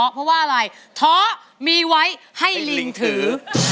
เพราะว่าอะไรท้อมีไว้ให้ลิงถือ